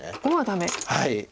はい。